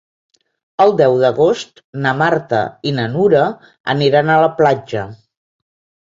El deu d'agost na Marta i na Nura aniran a la platja.